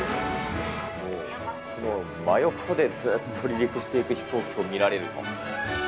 この真横でずっと離陸していく飛行機を見られると。